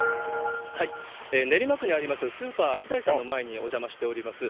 練馬区にあります、スーパーアキダイさんの前にお邪魔しております。